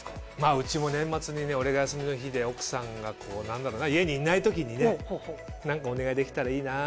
うちも年末に俺が休みの日で奥さんが家にいない時に何かお願いできたらいいな。